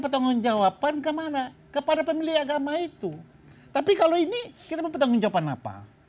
pertanggung jawaban kemana kepada pemilih agama itu tapi kalau ini kita mempertanggung jawaban apa